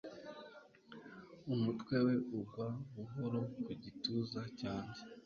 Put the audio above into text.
umutwe we ugwa buhoro ku gituza cyanjye